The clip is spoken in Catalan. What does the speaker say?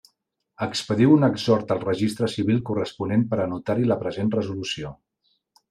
Expediu un exhort al registre civil corresponent per a anotar-hi la present resolució.